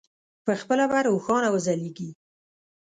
پخپله به روښانه وځلېږي.